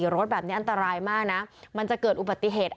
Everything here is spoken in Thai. รถแบบนี้อันตรายมากนะมันจะเกิดอุบัติเหตุ